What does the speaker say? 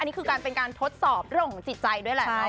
อันนี้คือการทดสอบเรื่องของจิตใจด้วยแหละ